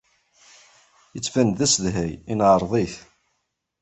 Yettban-d d asedhay. I neɛreḍ-it?